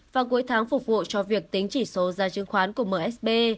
và cuối tháng phục vụ cho việc tính chỉ số ra chứng khoán của msb